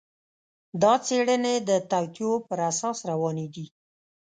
دا څېړنې د توطیو پر اساس روانې دي.